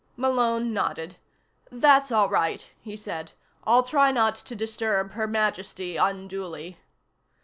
Malone nodded. "That's all right," he said. "I'll try not to disturb Her Majesty unduly."